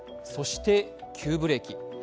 そして急ブレーキ。